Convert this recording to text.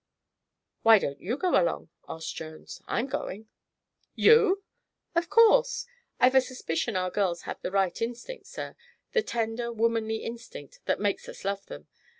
"Why don't you go along?" asked Jones. "I'm going." "You!" "Of course. I've a suspicion our girls have the right instinct, sir the tender, womanly instinct that makes us love them.